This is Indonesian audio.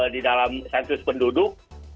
di dalam sensus penduduk